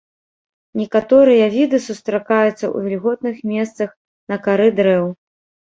Некаторыя віды сустракаюцца ў вільготных месцах на кары дрэў.